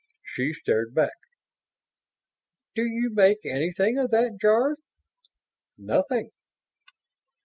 She stared back. "Do you make anything of that, Jarve?" "Nothing.